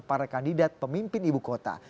para kandidat pemimpin ibu kota